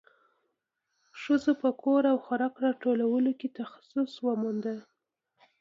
ښځو په کور او خوراک راټولولو کې تخصص وموند.